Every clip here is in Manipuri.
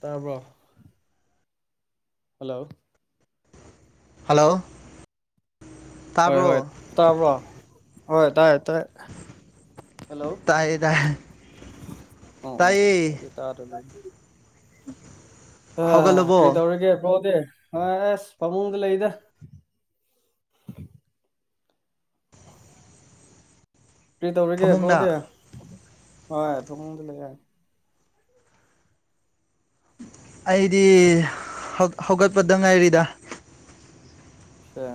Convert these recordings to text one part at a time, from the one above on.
ꯇꯥꯕ꯭ꯔꯣ ꯍꯂꯣ ꯍꯥꯂꯣ ꯍꯣꯏ ꯍꯣꯏ ꯇꯥꯕ꯭ꯔꯣ ꯍꯣꯏ ꯍꯣꯏ ꯇꯥꯏ ꯇꯥꯏ ꯍꯜꯂꯣ ꯇꯥꯌꯦ ꯇꯥꯌꯦ ꯇꯥꯏꯌꯦ ꯇꯥ ꯑꯗꯨ ꯂꯩ [unintelligible] ꯑ ꯀꯔꯤ ꯍꯧꯒꯠꯂꯕꯣ ꯇꯧꯔꯤꯒꯦ ꯕ꯭ꯔꯣ ꯗꯤ ꯑ ꯑꯦꯁ ꯐꯥꯃꯨꯡꯗ ꯂꯩꯔꯤꯗ ꯀꯔꯤ ꯇꯧꯔꯤꯒꯦ ꯐꯃꯨꯡꯗ ꯕ꯭ꯔꯣꯗꯤ ꯍꯣꯏ ꯐꯨꯃꯨꯡꯗ ꯂꯩ ꯌꯥ ꯑꯩꯗꯤ ꯍꯧ ꯍꯧꯒꯠꯄꯗ ꯉꯥꯏꯔꯤꯗ ꯑ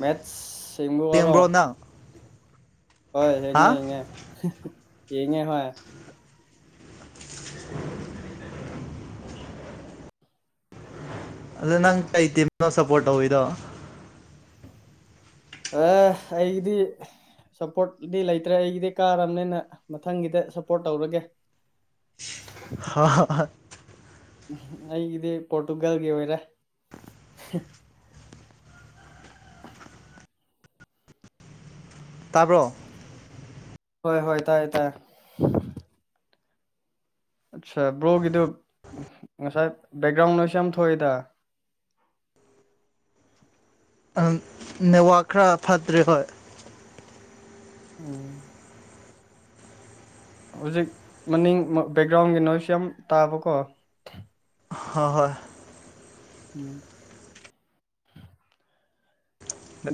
ꯃꯦꯠꯁ ꯁꯤꯕ ꯋꯥꯔꯣ ꯌꯦꯡꯕ꯭ꯔꯣ ꯅꯪ ꯍꯣꯏ ꯍꯥ ꯌꯦꯡꯉꯦ ꯌꯦꯡꯉꯦ ꯌꯦꯡꯉꯦ ꯍꯣꯏ ꯑꯗ ꯅꯪ ꯀꯩꯇꯤꯅꯣ ꯁꯞꯄꯣꯔꯠ ꯇꯧꯋꯤꯗꯣ ꯑꯦ ꯑꯩꯒꯤꯗꯤ ꯁꯞꯄꯣꯔꯠꯗꯤ ꯂꯩꯇ꯭ꯔꯦ ꯑꯩꯒꯤꯗꯤ ꯀꯥꯔꯕꯅꯤꯅ ꯃꯊꯪꯒꯤꯗ ꯁꯞꯄꯣꯔꯠ ꯇꯧꯔꯒꯦ [unintelligible] ꯑꯩꯒꯤꯗꯤ ꯄꯣꯔꯇꯨꯒꯜꯒꯤ ꯑꯣꯏꯔꯦ [inaudible] ꯇꯥꯕ꯭ꯔꯣ ꯍꯣꯏ ꯍꯣꯏ ꯇꯥꯏꯌꯦ ꯇꯥꯏꯦ ꯑꯠꯆꯥ ꯕ꯭ꯂꯣꯒꯤꯗꯨ ꯉꯁꯥꯏ ꯕꯦꯛꯒ꯭ꯔꯥꯎꯟ ꯑꯣꯏꯁꯨ ꯌꯥꯝ ꯊꯣꯛꯑꯦꯗ ꯑꯗꯨ ꯅꯦꯠꯋꯥꯛ ꯈꯔ ꯐꯠꯇ꯭ꯔꯦ ꯍꯣꯏ [inaudible] ꯍꯧꯖꯤꯛ ꯃꯅꯤꯡ ꯕꯦꯛꯒ꯭ꯔꯥꯎꯟꯒꯤ ꯅꯣꯁꯨ ꯌꯥꯝ ꯇꯥꯕꯀꯣ ꯍꯣꯏ ꯍꯣꯏ [inaudible]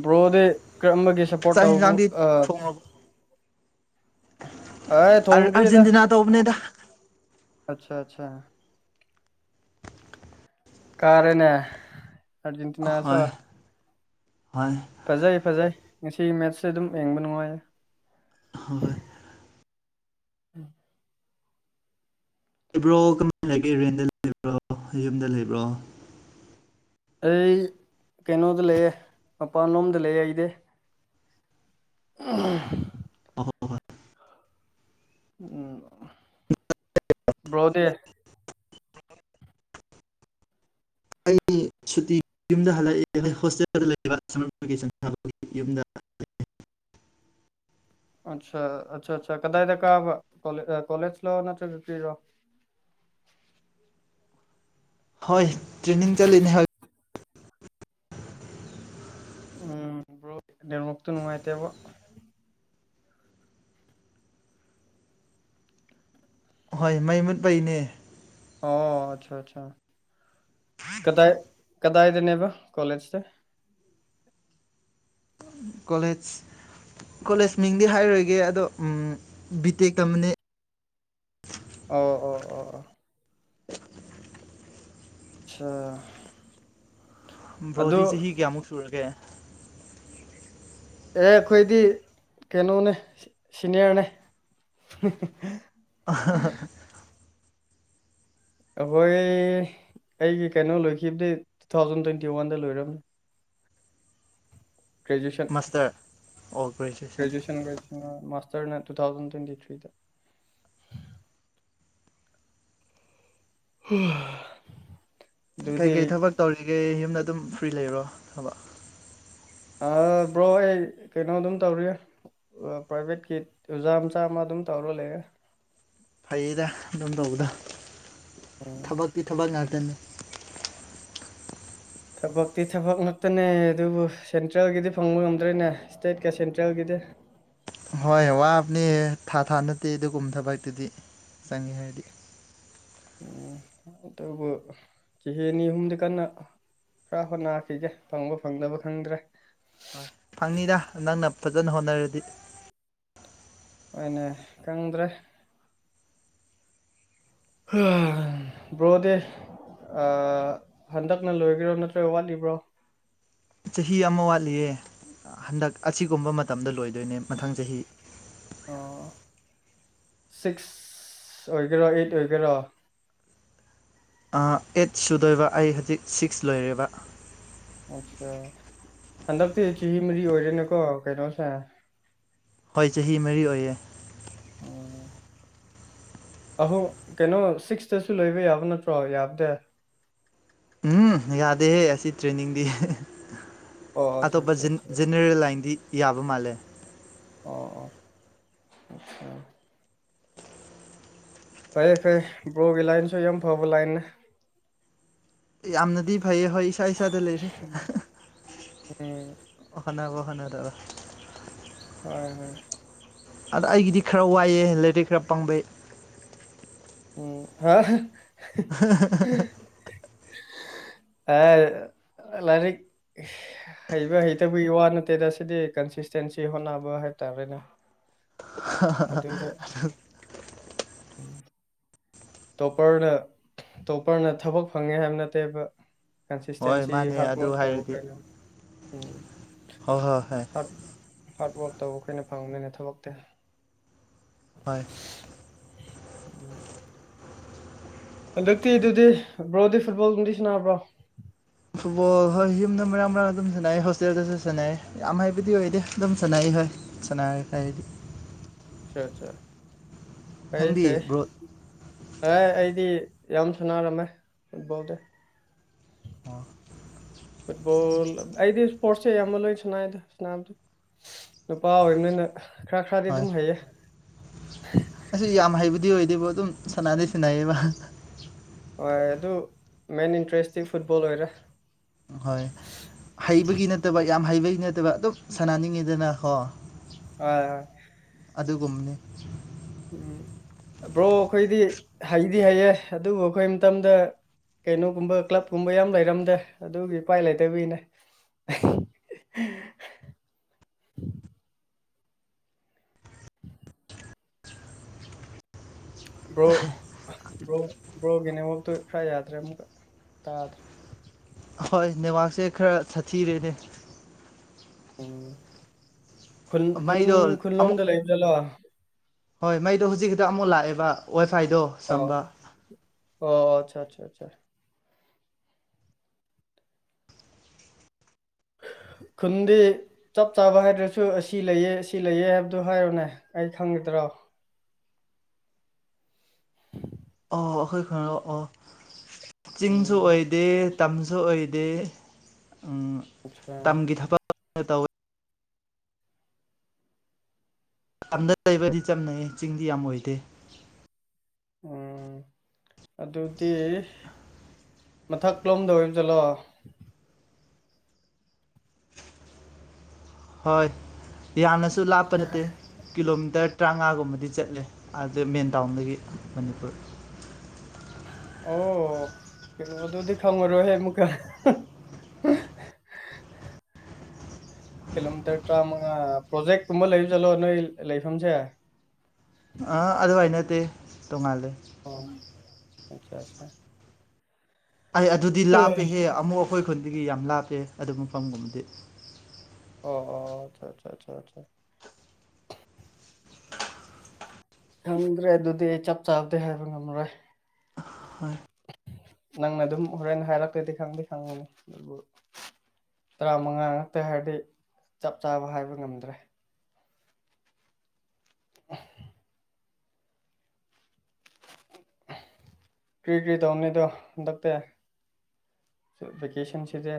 ꯕ꯭ꯔꯣꯗꯤ ꯀꯔꯝꯕ ꯁꯞꯄꯣꯔꯠ ꯆꯥꯛ ꯇꯧꯕ ꯌꯦꯟꯁꯥꯡꯗꯤ ꯑꯦ ꯊꯣꯡꯗ꯭ꯔꯤꯗ ꯑꯔꯖꯦꯟꯇꯤꯅꯥ ꯇꯧꯕꯅꯦꯗ ꯑꯆꯥ ꯑꯆꯥ ꯀꯥꯔꯦꯅꯦ ꯍꯣꯏ ꯑꯔꯖꯦꯟꯇꯤꯅꯥꯁꯨꯣ ꯍꯣꯏ ꯐꯖꯩ ꯐꯖꯩ ꯉꯁꯤ ꯃꯦꯠꯁꯦ ꯑꯗꯨꯝ ꯌꯦꯡꯕ ꯅꯨꯡꯉꯥꯏꯌꯦ ꯍꯣꯏ ꯎꯝ ꯂꯩꯕ꯭ꯔꯣ ꯀꯃꯥꯏꯅ ꯂꯩꯒꯦ ꯔꯦꯟꯗ ꯂꯩꯕ꯭ꯔꯣ ꯌꯨꯝꯗ ꯂꯩꯕ꯭ꯔꯣ ꯑꯩ ꯀꯩꯅꯣꯗ ꯂꯩꯌꯦ ꯃꯄꯥꯟꯂꯣꯝꯗ ꯂꯩꯌꯦ ꯑꯩꯗꯤ ꯑ ꯎꯝ ꯭ꯔꯣꯗꯦ ꯁꯨꯇꯤ ꯌꯨꯝꯗ ꯍꯜꯂꯛꯑꯦ ꯍꯣꯁꯇꯦꯜ ꯂꯩꯒꯤ ꯌꯨꯝꯗ ꯑꯆꯥ ꯑꯆꯥ ꯑ ꯀꯗꯥꯏꯗ ꯀꯣꯦꯖ ꯂ ꯅꯠꯇꯣ ꯍꯣꯏ ꯇ꯭ꯔꯦꯅꯤꯡ ꯆ ꯂꯩꯅꯦ ꯍꯥꯏ ꯎꯝꯣꯛ ꯅꯦꯠꯋꯛꯇꯣ ꯅꯨꯡꯉꯥꯏꯇꯦꯕ ꯍꯣꯏ ꯃꯩ ꯃꯨꯠꯄꯩꯅꯦ ꯑꯣ ꯑꯆꯥ ꯑꯆꯥ ꯀꯗꯥ ꯀꯗꯥꯏꯗꯅꯦꯕ ꯀꯣꯂꯦꯖꯁ ꯀꯣꯂꯦꯖ ꯀꯣꯂꯦꯖ ꯃꯤꯡꯗꯤ ꯍꯥꯏꯔꯣꯏꯒꯦ ꯑꯗꯣ ꯕꯤ ꯇꯦꯛ ꯇꯝꯕꯅꯦ ꯑꯣ ꯑꯣ ꯑꯣ ꯑꯣ ꯑꯣ ꯑ ꯕ꯭ꯔꯣꯗꯤ ꯆꯍꯤ ꯀꯌꯥꯃꯨꯛ ꯁꯨꯔꯒꯦ ꯑꯦ ꯑꯩꯈꯣꯏꯗꯤ ꯀꯩꯅꯣꯅꯦ ꯁꯤꯅꯤꯌꯔꯅꯦ ꯑ ꯍ ꯑꯩꯈꯣꯏ ꯑꯩꯒꯤ ꯀꯩꯅꯣ ꯂꯣꯏꯈꯤꯕꯗꯤ ꯇꯨ ꯊꯥꯎꯖꯟ ꯇ꯭ꯋꯦꯟꯇꯤ ꯋꯥꯟꯗ ꯂꯣꯏꯔꯕꯅꯦ ꯒ꯭ꯔꯦꯖꯨꯌꯦꯁꯟ ꯃꯥꯁꯇꯔ ꯑꯣ ꯒ꯭ꯔꯦꯖꯨꯑꯦꯁꯟ ꯒ꯭ꯔꯦꯖꯨꯑꯌꯦꯁꯟ ꯒ꯭ꯔꯦꯖꯁꯟ ꯃꯥꯁꯇꯔꯅ ꯇꯨ ꯊꯥꯎꯖꯟ ꯇ꯭ꯋꯦꯟꯇꯤ ꯊ꯭ꯔꯤꯗ ꯍ ꯀꯩ ꯀꯩ ꯊꯕꯛ ꯇꯧꯔꯤꯒꯦ ꯌꯨꯝꯗ ꯑꯗꯨꯝ ꯐ꯭ꯔꯤ ꯂꯩꯔꯣ ꯊꯕ ꯕ꯭ꯔꯣ ꯑꯩ ꯀꯩꯅꯣ ꯑꯗꯨꯝ ꯇꯧꯔꯤ ꯄ꯭ꯔꯥꯏꯚꯦꯠꯀꯤ ꯑꯣꯖꯥ ꯃꯆꯥ ꯑꯃ ꯑꯗꯨꯝ ꯇꯧꯔ ꯂꯩꯔꯦ ꯐꯩꯗ ꯑꯗꯨꯝ ꯇꯧꯕꯗ ꯎꯝ ꯊꯕꯛꯇꯤ ꯊꯕꯛ ꯉꯥꯛꯇꯅꯤ ꯊꯕꯛꯇꯤ ꯊꯕꯛ ꯉꯥꯛꯛꯇꯅꯦ ꯑꯗꯨꯕꯨ ꯁꯦꯟꯇ꯭ꯔꯦꯜꯒꯤꯗꯤ ꯐꯪꯕ ꯉꯝꯗ꯭ꯔꯦꯅꯦ ꯏꯁ꯭ꯇꯦꯠꯀ ꯁꯦꯟꯇ꯭ꯔꯦꯜꯒꯤꯗꯤ ꯍꯣꯏ ꯋꯥꯕꯅꯦ ꯊꯥ ꯊꯥ ꯅꯠꯇꯦ ꯑꯗꯨꯒꯨꯝꯕ ꯊꯕꯛꯇꯨꯗꯤ ꯆꯪꯉꯦ ꯍꯥꯏꯔꯗꯤ ꯎꯝꯇꯕꯨ ꯆꯍꯤꯅꯤ ꯑꯍꯨꯝꯗꯤ ꯀꯟꯅ ꯈꯔ ꯍꯣꯠꯅꯈꯤꯒꯦ ꯐꯪꯕ ꯐꯪꯗꯕ ꯈꯪꯗ꯭ꯔꯦ꯫ ꯍꯣꯏ ꯐꯪꯅꯤꯗ ꯅꯪꯅ ꯐꯖꯅ ꯍꯣꯠꯅꯔꯗꯤ꯫ ꯍꯣꯏꯅꯦ ꯀꯪꯗ꯭ꯔꯦ꯫ ꯕ꯭ꯔꯣꯗꯦ ꯍꯟꯗꯛꯅ ꯂꯣꯏꯈꯔꯣ ꯅꯠꯇ꯭ꯔꯒ ꯋꯥꯠꯂꯤꯕ꯭ꯔꯣ ꯆꯍꯤ ꯑꯃ ꯋꯥꯠꯂꯤꯌꯦ ꯍꯟꯗꯛ ꯑꯁꯤꯒꯨꯝꯕ ꯃꯇꯝꯗ ꯂꯣꯏꯗꯣꯏꯅꯦ ꯃꯊꯪ ꯆꯍꯤ꯫ ꯑꯣ ꯁꯤꯛꯁ ꯑꯣꯏꯒꯦꯔꯥ ꯑꯩꯠ ꯑꯣꯏꯒꯦꯔꯥ ꯑꯩꯠ ꯁꯨꯗꯣꯏꯕ ꯑꯩ ꯍꯧꯖꯤꯛ ꯁꯤꯛꯁ ꯂꯣꯏꯔꯦꯕ ꯑꯆꯥꯥ ꯍꯟꯗꯛꯇꯤ ꯆꯍꯤ ꯃꯔꯤ ꯑꯣꯏꯔꯦꯅꯀꯣ ꯀꯩꯅꯣꯁꯦ꯫ ꯑꯩꯣꯏ ꯆꯍꯤ ꯃꯔꯤ ꯑꯣꯏꯌꯦ꯫ ꯑꯣ ꯑꯍꯧ ꯀꯩꯅꯣ ꯁꯤꯛꯁꯇꯁꯨ ꯂꯩꯕ ꯌꯥꯕ ꯅꯠꯇ꯭ꯔꯣ ꯌꯥꯕꯗ ꯎꯝ ꯌꯥꯗꯦꯍꯦ ꯑꯁꯤ ꯇ꯭ꯔꯦꯟꯅꯤꯡꯗꯤ꯫ ꯑꯣ ꯑꯠꯆꯥ ꯑꯇꯣꯞꯄ ꯑꯠꯆꯥ ꯑꯆꯥ ꯖꯤꯦꯅꯦꯔꯦꯜ ꯂꯥꯏꯟꯗꯤ ꯌꯥꯕ ꯃꯥꯜꯂꯦ꯫ ꯑꯣ ꯑꯣ ꯑ ꯐꯩꯦ ꯐꯩ ꯕ꯭ꯔꯣꯒꯤ ꯂꯥꯏꯟꯁꯨ ꯌꯥꯝ ꯐꯕ ꯂꯥꯏꯅꯦ꯫ ꯌꯥꯝꯅꯗꯤ ꯐꯩ ꯍꯣꯏ ꯏꯁꯥ ꯏꯁꯥꯗ ꯂꯩ꯫ ꯎꯝ ꯑꯣꯈꯅꯕꯣ ꯍꯅ ꯗꯕ ꯍꯣꯏ ꯍꯣꯏ ꯑꯗ ꯑꯩꯒꯤꯗꯤ ꯈꯔ ꯋꯥꯏꯑꯦ ꯂꯥꯏꯔꯤꯛ ꯈꯔ ꯄꯥꯕꯩ ꯎꯝ ꯍꯥ ꯑ ꯂꯔꯤꯛ ꯍꯩꯕ ꯍꯩꯇꯕꯒꯤ ꯋꯥ ꯅꯠꯇꯦꯗ ꯁꯤꯗꯤ ꯀꯟꯁꯤꯁꯇꯦꯟꯁꯤ ꯍꯣꯠꯅꯕ ꯍꯥꯏꯕꯇꯥꯥꯔꯦꯅꯦ꯫ ꯑꯗꯅꯦ ꯎꯝ ꯇꯣꯞꯄꯔꯅ ꯇꯣꯞꯄꯔꯅ ꯊꯕꯛ ꯐꯪꯉꯦ ꯍꯥꯏꯕ ꯅꯠꯇꯦꯕ ꯍꯣꯏ ꯀꯟꯁꯤꯁꯇꯦꯟꯁꯤ ꯃꯥꯅꯦ ꯈꯛ ꯑꯗꯨ ꯇꯥꯑꯣ ꯍꯥꯏꯔꯗꯤ ꯍꯣꯏ ꯍꯣꯏ ꯍꯣꯏ ꯍꯥꯏꯕ ꯍꯥꯔꯠ ꯋꯥꯔꯛ ꯇꯧꯕ ꯑꯩꯈꯣꯏꯅ ꯐꯪꯕꯅꯤꯅ ꯊꯕꯛꯇꯤ꯫ ꯍꯣꯏ [inaudible] ꯍꯟꯗꯛꯇꯤ ꯑꯗꯨꯗꯤ ꯕ꯭ꯔꯣꯗꯤ ꯐꯨꯠꯕꯣꯜꯒꯝꯗꯤ ꯁꯅꯥꯕ꯭ꯔꯣ ꯐꯨꯠꯕꯣꯜ ꯍꯣꯏ ꯌꯨꯝꯗ ꯃꯔꯥꯡ ꯃꯔꯥꯡꯅ ꯑꯗꯨꯝ ꯁꯥꯟꯅꯩ ꯍꯣꯁꯇꯦꯜꯗꯁꯨ ꯁꯥꯟꯅꯩ ꯌꯥꯝ ꯍꯥꯏꯕꯗꯤ ꯑꯣꯏꯗꯦ ꯑꯗꯨꯝ ꯁꯥꯟꯅꯩ ꯍꯣꯏ ꯆꯅ ꯇꯗꯤ ꯑꯆꯥ ꯑꯆꯥ ꯐꯩꯌꯦ ꯅꯪꯗꯤ ꯐꯩꯌꯦ꯫ ꯕ꯭ꯔꯣ ꯑꯦ ꯑꯩꯗꯤ ꯌꯥꯝ ꯁꯨꯅꯥꯔꯝꯃꯦ ꯐꯨꯠꯕꯣꯜꯗ ꯑꯣ ꯐꯨꯠꯕꯣꯜ ꯑꯩꯗꯤ ꯏꯁꯄꯣꯔꯠꯁꯦ ꯑꯌꯥꯝꯕ ꯂꯣꯏ ꯁꯅꯥꯏꯗ ꯁꯝꯗꯤ ꯅꯨꯄꯥ ꯑꯣꯏꯕꯅꯤꯅ ꯈꯔ ꯈꯔꯗꯤ ꯑꯗꯨꯝ ꯍꯩꯌꯦ꯫ ꯑ ꯌꯥꯝ ꯍꯩꯕꯨꯗꯤ ꯑꯣꯏꯗꯦꯕ ꯑꯗꯨꯝ ꯁꯥꯟꯅꯗꯩ ꯁꯤꯟꯅꯩꯌꯦꯕ ꯍꯣꯏ ꯑꯗꯨ ꯃꯦꯟ ꯏꯟꯇ꯭ꯔꯦꯁꯇꯤ ꯐꯨꯠꯕꯣꯜ ꯑꯣꯏꯔꯦ꯫ ꯍꯣꯏ ꯍꯩꯕꯒꯤ ꯅꯠꯇꯕ ꯌꯥꯝ ꯍꯩꯕꯒꯤ ꯅꯠꯇꯕ ꯑꯗꯨꯝ ꯁꯥꯟꯅꯅꯤꯡꯉꯤꯗꯅ ꯀꯣ ꯍꯣꯏ ꯍꯣꯏ꯫ ꯑꯗꯨꯒꯨꯝꯅꯤ꯫ ꯎꯝ ꯕ꯭ꯔꯣ ꯑꯩꯈꯣꯏꯗꯤ ꯍꯩꯗꯤ ꯍꯩꯌꯦ ꯑꯗꯨꯕꯨ ꯑꯩꯈꯣꯏ ꯃꯇꯝꯗ ꯀꯩꯅꯣꯒꯨꯝꯕ ꯀ꯭ꯂꯕꯀꯨꯝꯕ ꯌꯥꯝ ꯂꯩꯔꯝꯗꯦ ꯑꯗꯨꯒꯤ ꯏꯄꯥꯏ ꯂꯩꯇꯕꯤꯒꯤꯅꯦ꯫ [inaudible] ꯕ꯭ꯔꯣ ꯕ꯭ꯔꯣ ꯕ꯭ꯔꯣꯒꯤ ꯅꯦꯋꯇꯨ ꯈꯔ ꯌꯥꯗ꯭ꯔꯦ ꯑꯃꯨꯛꯀ ꯇꯥꯗ꯭ꯔꯦ꯫ ꯍꯣꯏ ꯅꯦꯋꯥꯛꯁꯦ ꯈꯔ ꯁꯥꯊꯤꯔꯦꯅꯦ꯫ ꯎꯝ ꯈꯨꯟ ꯈꯨꯟ ꯃꯩꯗꯣ ꯑꯃꯨꯛ ꯈꯨꯟꯂꯣꯝꯗ ꯂꯩꯕꯗꯂꯣ ꯍꯣꯏ ꯃꯩꯗꯣ ꯍꯧꯖꯤꯛ ꯈꯤꯛꯇ ꯑꯃꯨꯛ ꯂꯥꯛꯑꯦꯕ ꯋꯥꯏ ꯐꯥꯏꯗꯣ ꯑꯣ ꯑꯣ ꯑꯆꯥ ꯑꯠꯆꯥꯆꯥ ꯈꯨꯟꯗꯤ ꯆꯞ ꯆꯥꯕ ꯍꯥꯏꯗ꯭ꯔꯁꯨ ꯑꯁꯤ ꯂꯩꯑꯦ ꯑꯁꯤ ꯂꯩꯑ ꯍꯥꯏꯕꯗꯨ ꯍꯥꯏꯔꯣꯅꯦ ꯑꯩ ꯈꯪꯒꯗ꯭ꯔꯣ ꯑꯣ ꯑꯩꯈꯣꯏ ꯈꯔꯔꯑꯣ ꯑꯣ ꯆꯤꯡꯁꯨ ꯎꯝ ꯑꯣꯏꯗꯦ ꯇꯝꯁꯨ ꯑꯣꯏꯗꯦ ꯑꯆꯥ ꯇꯝꯒꯤ ꯊꯕꯛ ꯇꯧꯋꯤ ꯃꯇꯝꯗ ꯂꯩꯕꯗꯤ ꯆꯝꯅꯩ ꯆꯤꯡꯗꯤ ꯌꯥꯝ ꯑꯣꯏꯗꯦ ꯎꯝ ꯑꯗꯨꯗꯤ ꯃꯊꯛꯂꯣꯝꯗ ꯑꯣꯏꯕꯖꯠꯂꯣ ꯍꯣꯏ ꯌꯥꯝꯅꯁꯨ ꯂꯥꯞꯄ ꯅꯠꯇꯦ ꯀꯤꯂꯣꯃꯤꯇꯔ ꯇꯔꯥꯃꯉꯥꯒꯨꯝꯕꯗꯤ ꯆꯠꯂꯦ ꯑꯗꯨꯗ ꯃꯦꯟ ꯇꯥꯎꯟꯗꯒꯤ ꯃꯅꯤꯄꯨꯔ ꯑꯣ ꯀꯤꯂꯣꯗꯨꯗꯤ ꯈꯪꯉꯔꯣꯏꯍꯦ ꯑꯃꯨꯛꯀ ꯀꯤꯂꯣꯃꯤꯇꯔ ꯇꯔꯥꯃꯉꯥ ꯄ꯭ꯔꯣꯖꯦꯛꯀꯨꯝꯕ ꯂꯩꯕ ꯆꯠꯂꯣ ꯅꯣꯏ ꯂꯩꯐꯝꯁꯦ ꯑꯥ ꯑꯗꯨꯋꯥꯏ ꯅꯠꯇꯦ ꯇꯣꯡꯉꯥꯜꯂꯦ ꯑꯣ ꯑꯆꯥ ꯑꯠꯆꯥ ꯑꯩ ꯑꯗꯨꯗꯤ ꯂꯥꯞꯄꯦꯍꯦ ꯑꯃꯨꯛ ꯑꯩꯈꯣꯏ ꯈꯨꯟꯗꯒꯤ ꯌꯥꯝ ꯂꯥꯞꯄꯦ ꯑꯗꯨ ꯃꯐꯝꯒꯨꯝꯕꯗꯤ ꯑꯣ ꯑꯣ ꯑꯆꯥ ꯑꯆꯥ ꯑꯆꯥ ꯑꯆꯥ ꯈꯪꯗ꯭ꯔꯦ ꯑꯗꯨꯗꯤ ꯑꯩ ꯆꯞ ꯆꯥꯕꯗꯤ ꯍꯥꯏꯕ ꯉꯝꯔꯣꯏ ꯍꯣꯏ ꯅꯪꯅ ꯑꯗꯨꯝ ꯍꯣꯔꯦꯟꯅ ꯍꯥꯏꯔꯛꯇ꯭ꯔꯗꯤ ꯈꯪꯗꯤ ꯈꯪꯉꯅꯤ ꯑꯗꯨꯕꯨ ꯇꯔꯥꯃꯉꯥ ꯉꯥꯛꯇ ꯍꯥꯏꯔꯗꯤ ꯆꯞ ꯆꯥꯕ ꯍꯥꯏꯕ ꯉꯝꯗ꯭ꯔꯦ [unintelligible] ꯀ꯭ꯔꯤ ꯀ꯭ꯔꯤ ꯇꯧꯅꯤ ꯑꯗꯣ ꯍꯟꯗꯛꯇꯤ ꯚꯦꯀꯦꯁꯟꯁꯤꯗꯤ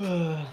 ꯎꯟ